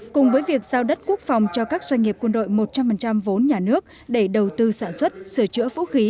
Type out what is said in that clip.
cùng với việc giao đất quốc phòng cho các doanh nghiệp quân đội một trăm linh vốn nhà nước để đầu tư sản xuất sửa chữa vũ khí